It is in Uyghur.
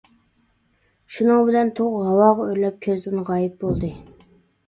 شۇنىڭ بىلەن تۇغ ھاۋاغا ئۆرلەپ كۆزدىن غايىب بولدى.